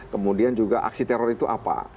kemudian juga aksi teror itu apa